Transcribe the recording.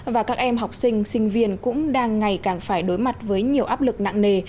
và các em học sinh sinh viên cũng đang ngày càng phải đối mặt với nhiều áp lực nặng nề